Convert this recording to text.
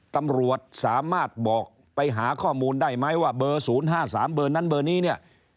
ตำรวจสามารถบอกไปหาข้อมูลได้ไหมว่าเบอร์๐๕๓เบอร์นั้นเบอร์นี้เนี่ย